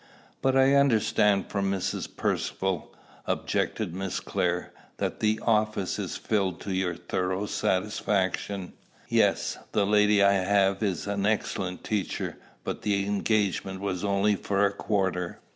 "But I understand from Mrs. Percivale," objected Miss Clare, "that the office is filled to your thorough satisfaction." "Yes; the lady I have is an excellent teacher; but the engagement was only for a quarter."